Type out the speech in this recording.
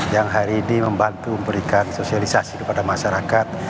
yang hari ini membantu memberikan sosialisasi kepada masyarakat